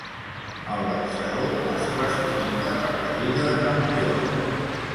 El vencedor es classifica per la Lliga de Campions.